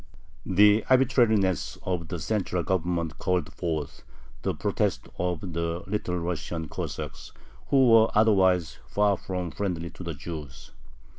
The arbitrariness of the central Government called forth the protest of the Little Russian Cossacks, who were otherwise far from friendly to the Jews.